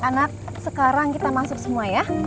anak sekarang kita masuk semua ya